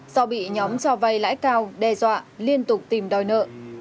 do bị nhóm cho vay lãi cao đe dọa liên tục tìm đòi nợ